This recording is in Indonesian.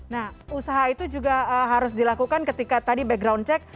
nah usaha itu juga harus dilakukan ketika tadi background check